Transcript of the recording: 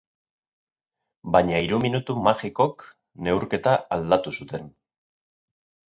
Baina hiru minutu magikok neurketa aldatu zuten.